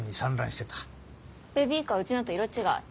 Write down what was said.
ベビーカーうちのと色違い。